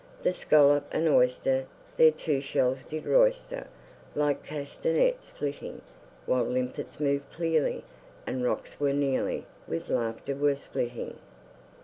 The scallop and oyster Their two shells did roister, Like castanets flitting; While limpets moved clearly, And rocks very nearly With laughter were splitting.